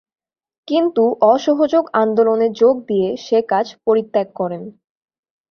কিন্তু অসহযোগ আন্দোলনে যোগ দিয়ে সে কাজ পরিত্যাগ করেন।